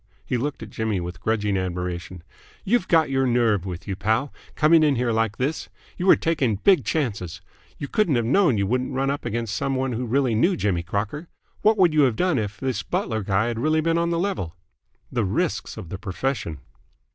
He looked at Jimmy with grudging admiration. "You'd got your nerve with you, pal, coming in here like this. You were taking big chances. You couldn't have known you wouldn't run up against some one who really knew Jimmy Crocker. What would you have done if this butler guy had really been on the level?" "The risks of the profession!"